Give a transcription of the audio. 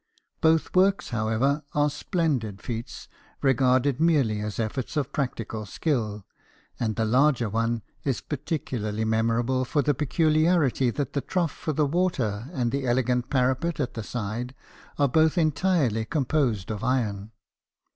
Both works, however, are splen did feats, regarded merely as efforts of practical skill ; and the larger one is particularly memor able for the peculiarity that the trough for the water and the elegant parapet at the side are both entirely composed of iron.